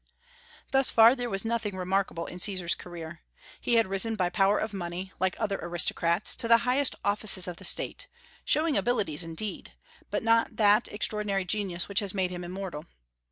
Thus far there was nothing remarkable in Caesar's career. He had risen by power of money, like other aristocrats, to the highest offices of the State, showing abilities indeed, but not that extraordinary genius which has made him immortal.